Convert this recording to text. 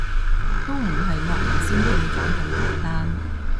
都唔係惡人先告狀咁簡單